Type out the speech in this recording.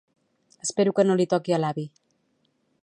Espero que no li toqui a l'avi